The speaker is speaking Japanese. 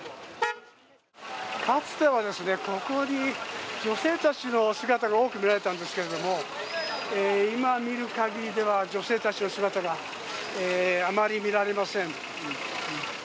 かつてはここに女性たちの姿が多く見られたんですけれども、今見るかぎりでは女性たちの姿が余り見られません。